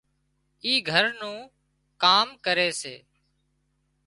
اِي گھر نُون ڪام ڪري سي